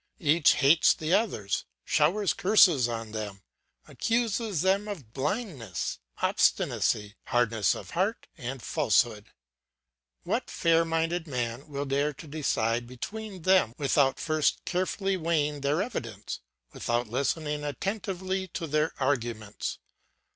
Each hates the others, showers curses on them, accuses them of blindness, obstinacy, hardness of heart, and falsehood. What fair minded man will dare to decide between them without first carefully weighing their evidence, without listening attentively to their arguments?